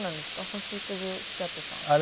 星屑スキャットさん。